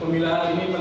pemilahan ini penting